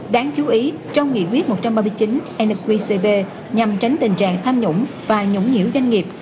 đáng chú ý trong nghị quyết một trăm ba mươi chín nqcb nhằm tránh tình trạng tham nhũng và nhũng nhiễu doanh nghiệp